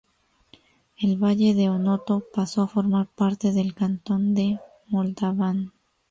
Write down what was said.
El Valle de Onoto pasó a formar parte del Cantón de Montalbán.